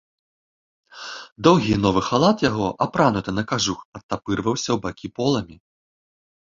Доўгі і новы халат яго, апрануты на кажух, адтапырваўся ў бакі поламі.